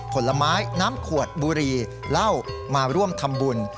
ผลไม้น้ำขวดบุรีเหล้ามาร่วมทำบุญ